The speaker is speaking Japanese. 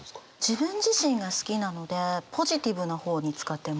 自分自身が好きなのでポジティブな方に使ってます。